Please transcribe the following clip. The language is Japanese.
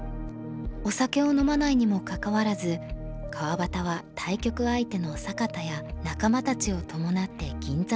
お酒を飲まないにもかかわらず川端は対局相手の坂田や仲間たちを伴って銀座のバーへ。